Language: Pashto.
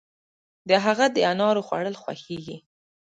د هغه د انار خوړل خوښيږي.